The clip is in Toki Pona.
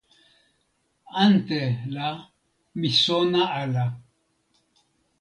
ante la mi sona ala.